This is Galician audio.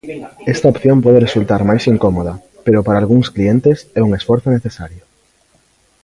Esta opción pode resultar máis incómoda, pero para algúns clientes é un esforzo necesario.